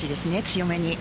強めに。